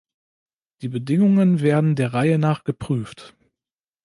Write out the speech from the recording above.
Die Bedingungen werden der Reihe nach geprüft.